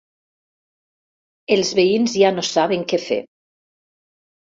Els veïns ja no saben què fer.